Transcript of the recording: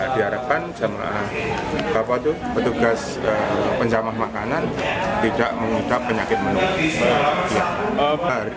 di harapan petugas penjamaah makanan tidak menghidap penyakit menular